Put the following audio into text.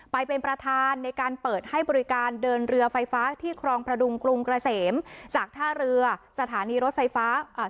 ไปเป็นประธานในการเปิดให้บริการเดินเรือไฟฟ้าที่ครองพระดุงกรุงเกษมจากท่าเรือสถานีรถไฟฟ้าอ่า